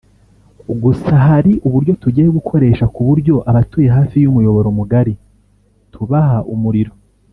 Gusa hari uburyo tugiye gukoresha ku buryo abatuye hafi y’umuyoboro mugari tubaha umuriro